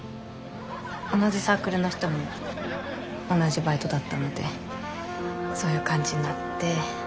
同じサークルの人も同じバイトだったのでそういう感じになって。